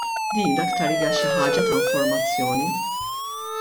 Din aktar hija xi ħaġa ta' informazzjoni.